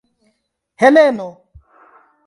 Heleno!